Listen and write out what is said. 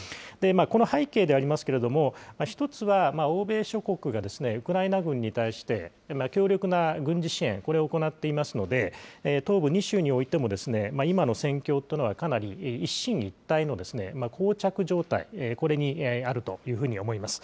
この背景でありますけれども、１つは、欧米諸国がウクライナ軍に対して強力な軍事支援、これを行っていますので、東部２州においても今の戦況というのは、かなり一進一退のこう着状態、これにあるというふうに思います。